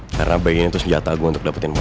karena bayi ini tuh senjata gue untuk dapetin mbak